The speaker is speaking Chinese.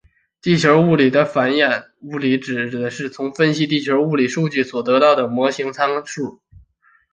地球物理的反演理论指的是从分析地球物理数据所得到的模型参数。